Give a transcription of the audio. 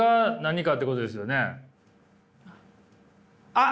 あっ。